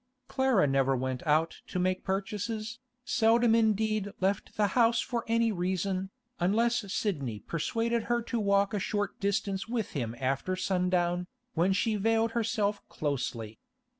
Clara never went out to make purchases, seldom indeed left the house for any reason, unless Sidney persuaded her to walk a short distance with him after sundown, when she veiled herself closely.